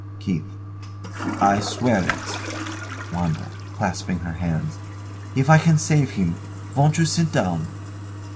KEITH. I swear it. WANDA. [Clasping her hands] If I can save him! Won't you sit down?